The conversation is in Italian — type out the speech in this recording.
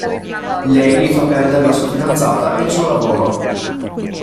Lei gli fa perdere la sua fidanzata e il suo lavoro.